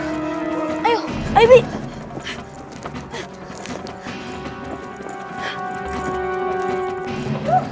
jangan sedih bibi